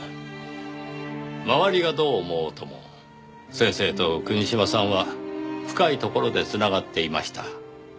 周りがどう思おうとも先生と国島さんは深いところで繋がっていました。